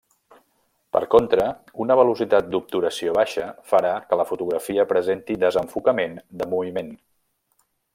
Per contra, una velocitat d'obturació baixa farà que la fotografia presenti desenfocament de moviment.